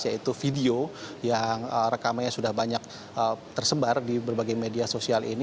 yaitu video yang rekamannya sudah banyak tersebar di berbagai media sosial ini